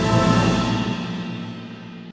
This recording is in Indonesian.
makasih ya rik